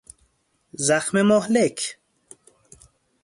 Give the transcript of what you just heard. زخم مهلک